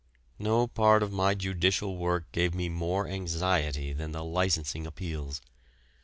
No part of my judicial work gave me more anxiety than the licensing appeals.